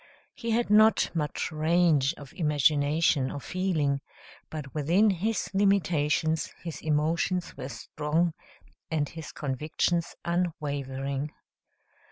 He had not much range of imagination or feeling, but within his limitations his emotions were strong and his convictions unwavering.